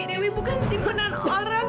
dewi bukan simpanan orang